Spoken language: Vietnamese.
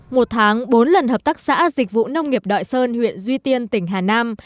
một tháng bốn lần hợp tác xã dịch vụ nông nghiệp đoại sơn huyện duy tiên tỉnh hà nam